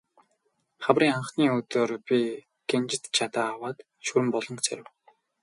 Хаврын анхны өдөр би гинжит жадаа аваад Шүрэн буланг зорив.